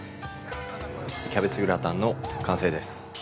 ◆キャベツグラタンの完成です。